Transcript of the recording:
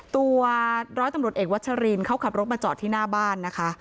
ตัวร้อยตำรวจเอกวัชรินเขาขับรถมาจอดที่หน้าบ้านนะคะ